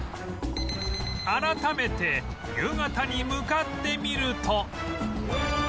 改めて夕方に向かってみると